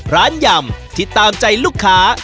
ยำที่ตามใจลูกค้า